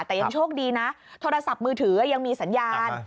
แต่ยังโชคดีนะโทรศัพท์มือถือยังมีสัญญาณ